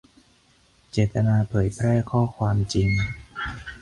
- เจตนาเผยแพร่ข้อความจริง